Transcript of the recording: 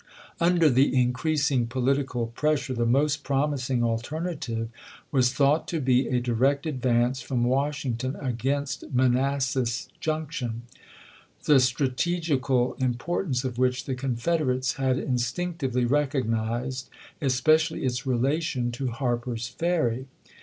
Under the increas ing political pressure, the most promising alterna tive was thought to be a direct advance from Washington against Manassas Junction, the strategical importance of which the Confederates had instinctively recognized, especially its relation to Harper's Ferry.